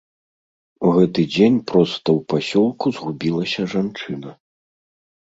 У гэты дзень проста ў пасёлку згубілася жанчына.